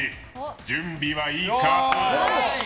準備はいいか！？